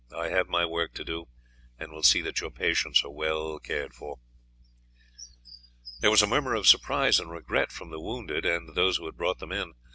I have my work to do, and will see that your patients are well cared for." There was a murmur of surprise and regret from the wounded and those who had brought them in.